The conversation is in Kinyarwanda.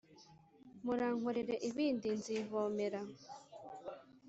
Murankorere ibindi nzivomera.